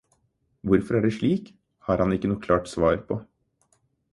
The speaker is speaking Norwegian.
Hvorfor det er slik, har han ikke noe klart svar på.